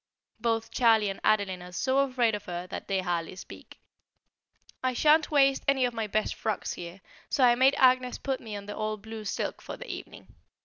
Both Charlie and Adeline are so afraid of her that they hardly speak. I shan't waste any of my best frocks here, so I made Agnès put me on the old blue silk for the evening.